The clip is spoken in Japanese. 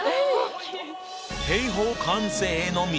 平方完成への道